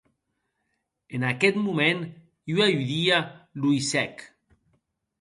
En aqueth moment ua idia lo hissèc.